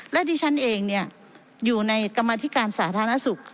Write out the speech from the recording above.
และดิฉันเองอยู่ในกรรมธิการสาธารณสุข